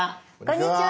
こんにちは。